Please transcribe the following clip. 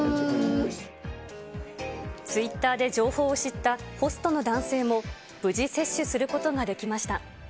ツイッターで情報を知ったホストの男性も、無事、接種することができました。